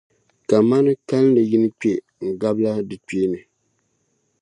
kaman kalinli yini kpe n-gabila di kpee ni.